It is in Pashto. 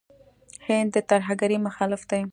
هند د ترهګرۍ مخالف دی.